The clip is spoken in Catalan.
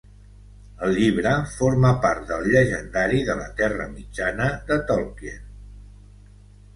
El llibre forma part del llegendari de la Terra Mitjana de Tolkien.